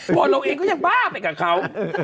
กวนเราเองก็จะบ้าไปกับเขา